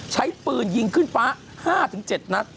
ใช้ปืนยิงขึ้นฟ้า๕๗นัด